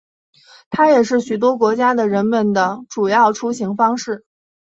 它也是许多国家的人们的主要出行方式。